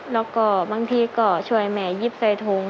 แล้วก็บางทีก็ช่วยแม่ยิบใส่ถุง